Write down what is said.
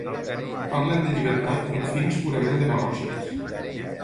Parlen de llibertat amb fins purament demagògics.